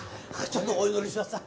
ちょっとお祈りしまっさ。